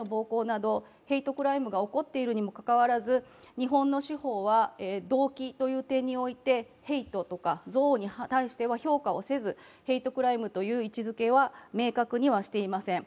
ヘイトクライムが起こっているにもかかわらず日本の司法は動機という点においてヘイトや憎悪に対しては評価をせず、ヘイトクライムという位置づけは明確にはしていません。